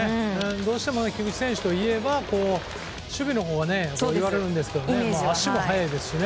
どうしても菊池選手といえば守備のほうがと言われるんですけど足も速いですし。